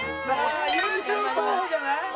優勝候補じゃない？